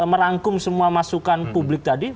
merangkum semua masukan publik tadi